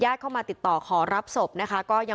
ได้ยากเข้ามาติดต่อขอรับสวบ